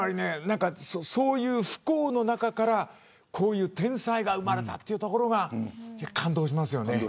そういう不幸の中から天才が生まれたというところが感動しますよね。